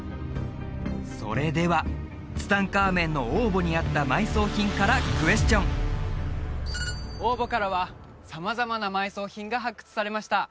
それではツタンカーメンの王墓にあった埋葬品からクエスチョン王墓からは様々な埋葬品が発掘されました